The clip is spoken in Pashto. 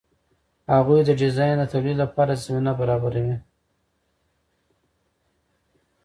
هغوی د ډیزاین د تولید لپاره زمینه برابروي.